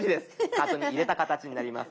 カートに入れた形になります。